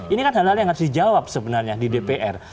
ini kan hal hal yang harus dijawab sebenarnya di dpr